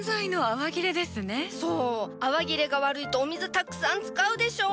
泡切れが悪いとお水たくさん使うでしょ！？